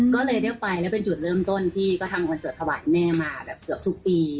ก็เลยได้ไปแล้วเป็นจุดเริ่มต้นที่ก็ทำคอนเสิร์ตถวายแม่มาแบบเกือบทุกปี